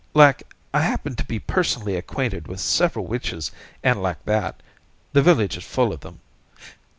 Like, I happen to be personally acquainted with several witches and like that. The Village is full of them.